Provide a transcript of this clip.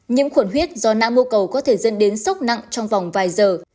nhiễm khuẩn huyết do não mô cầu có thể dẫn đến sốc nặng trong vòng vài giờ